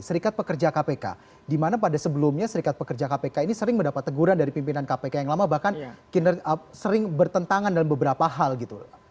serikat pekerja kpk di mana pada sebelumnya serikat pekerja kpk ini sering mendapat teguran dari pimpinan kpk yang lama bahkan sering bertentangan dalam beberapa hal gitu